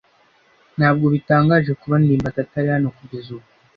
Ntabwo bitangaje kuba ndimbati atari hano kugeza ubu?